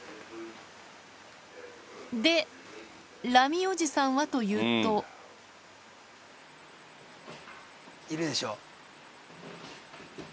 でラミおじさんはというといるでしょ。